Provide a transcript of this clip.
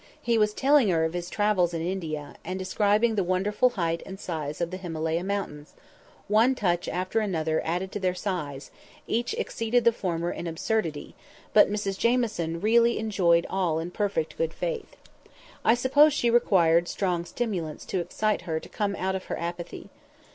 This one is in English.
He was telling her of his travels in India, and describing the wonderful height of the Himalaya mountains: one touch after another added to their size, and each exceeded the former in absurdity; but Mrs Jamieson really enjoyed all in perfect good faith. I suppose she required strong stimulants to excite her to come out of her apathy.